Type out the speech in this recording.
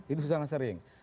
itu sangat sering